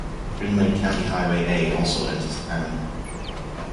Green Lake County Highway A also enters town.